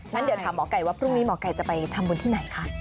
งั้นเดี๋ยวถามหมอไก่ว่าพรุ่งนี้หมอไก่จะไปทำบุญที่ไหนคะ